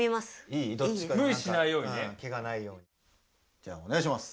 じゃあおねがいします。